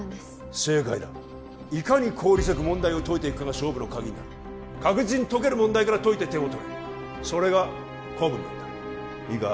正解だいかに効率よく問題を解いていくかが勝負のカギになる確実に解ける問題から解いて点を取れそれが古文なんだいいか？